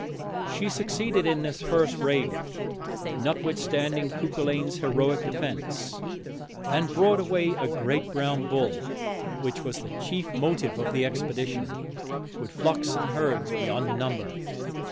She succeeded in this first raid, notwithstanding Cuculainn's heroic defence, and brought away a great brown bull which was the chief motive of the expedition with flocks and herds beyond number.